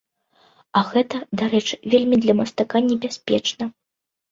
А гэта, дарэчы, вельмі для мастака небяспечна.